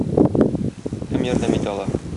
Кем ярдәм итә ала?